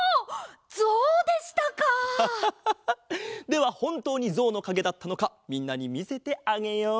ではほんとうにゾウのかげだったのかみんなにみせてあげよう。